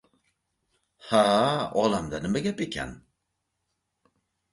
— Ha-a, olamda nima gap ekan?